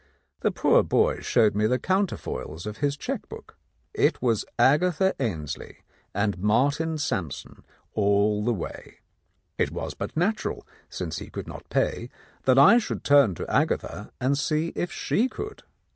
The poor boy showed me the counterfoils of his cheque book. It was Agatha Ainslie and Martin Sampson all the way. It was but natural, since he could not pay, that I should turn to Agatha and see if she could."